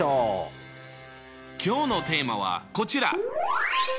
今日のテーマはこちら！